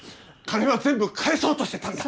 金は全部返そうとしてたんだ。